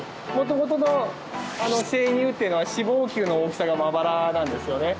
元々の生乳っていうのは脂肪球の大きさがまばらなんですよね。